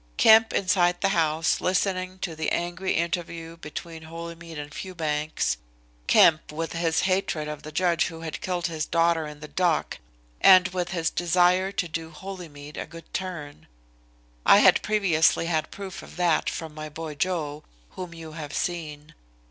Kemp inside the house listening to the angry interview between Holymead and Fewbanks Kemp with his hatred of the judge who had killed his daughter in the dock and with his desire to do Holymead a good turn I had previously had proof of that from my boy Joe, whom you have seen.